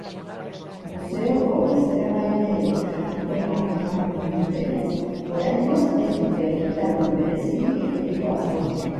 Museoko bozeramaileek jakitera eman dutenez, oraingoz ez dute ekitaldi berezirik egiteko asmorik.